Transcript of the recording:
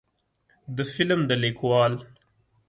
د فلم د لیکوال